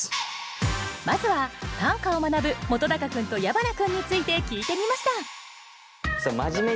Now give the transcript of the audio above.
まずは短歌を学ぶ本君と矢花君について聞いてみました